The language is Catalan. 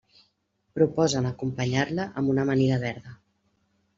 Proposen acompanyar-la amb una amanida verda.